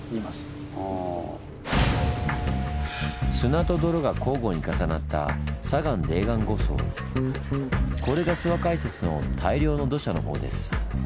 砂と泥が交互に重なったこれが諏訪解説の「大量の土砂」のほうです。